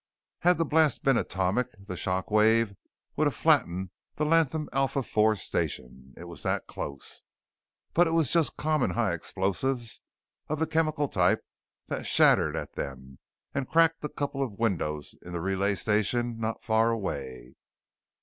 Had the blast been atomic the shock wave would have flattened the Latham Alpha IV station. It was that close. But it was just common high explosive of the chemical type that shattered at them, and cracked a couple of windows in the Relay Station not far away.